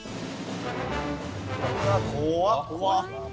うわ怖っ！